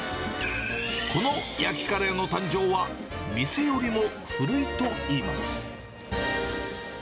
この焼きカレーの誕生は、店よりも古いといいます。